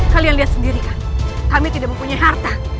kalian lihat sendiri kan kami tidak mempunyai harta